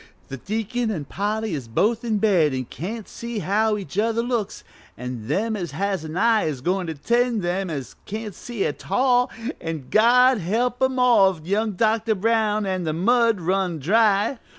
The deacon an' Polly is both in bed an' can't see how each other looks, an' them as has a eye is goin' to tend them as can't see at all, an' God help 'em all if young Dr. Brown an' the mud run dry!"